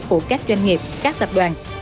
của các doanh nghiệp các tập đoàn